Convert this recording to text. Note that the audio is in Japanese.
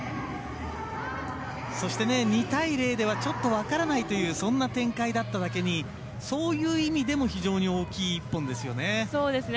そして、２対０ではちょっと分からないというそんな展開だっただけにそういう意味でも非常に大きい１本ですよね。